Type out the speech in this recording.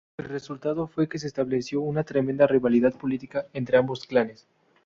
El resultado fue que se estableció una tremenda rivalidad política entre ambos clanes.